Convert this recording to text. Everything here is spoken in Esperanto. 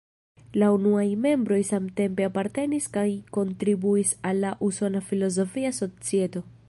La unuaj membroj samtempe apartenis kaj kontribuis al la Usona Filozofia Societo.